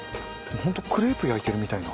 ホントクレープ焼いてるみたいな。